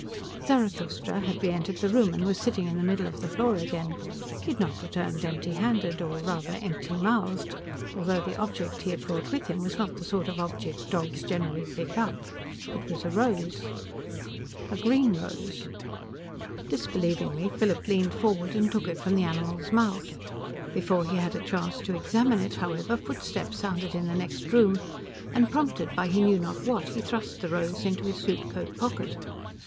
Zarathustra had re entered the room and was sitting in the middle of the floor again. He had not returned empty handed or rather, empty mouthed although the object he had brought with him was not the sort of object dogs generally pick up. It was a rose A green rose. Disbelievingly, Philip leaned forward and took it from the animal's mouth. Before he had a chance to examine it, however, footsteps sounded in the next room, and prompted by he knew not what, he thrust the rose into his suitcoat pocket.